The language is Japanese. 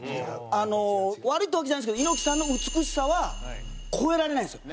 悪いってわけじゃないんですけど猪木さんの美しさは超えられないんですよ。